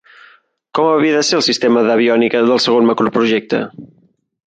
Com havia de ser el sistema d'aviònica del segon macroprojecte?